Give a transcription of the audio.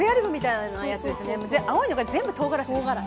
で青いのが全部とうがらしですね。